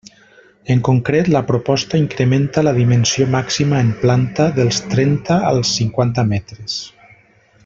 En concret, la proposta incrementa la dimensió màxima en planta dels trenta als cinquanta metres.